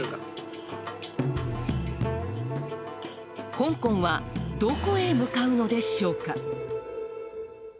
香港はどこへ向かうのでしょうか。